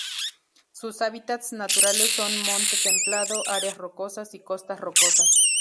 Sus hábitats naturales son monte templado, áreas rocosas, y costas rocosas.